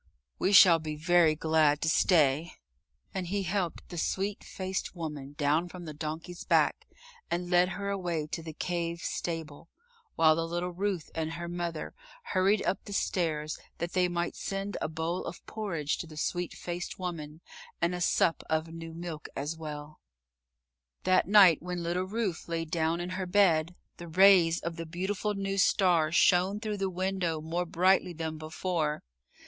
"We shall be very glad to stay," and he helped the sweet faced woman down from the donkey's back and led her away to the cave stable, while the little Ruth and her mother hurried up the stairs that they might send a bowl of porridge to the sweet faced woman, and a sup of new milk, as well. That night when little Ruth lay down in her bed, the rays of the beautiful new star shone through the window more brightly than before.